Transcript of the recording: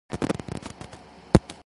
Mr. Dodd says so.